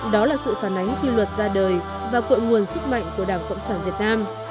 đó là sự phản ánh quy luật ra đời và cội nguồn sức mạnh của đảng cộng sản việt nam